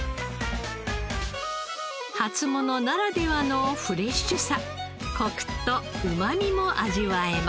初物ならではのフレッシュさコクとうまみも味わえます。